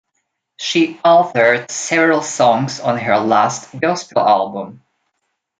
She authored several songs on her last gospel album.